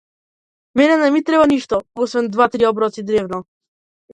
Мене не ми треба ништо, освен два-три оброци дневно.